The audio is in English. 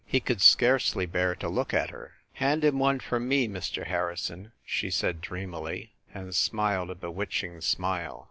He could scarcely bear to look at her. "Hand him one for me, Mr. Harrison," she said dreamily, and smiled a bewitching smile.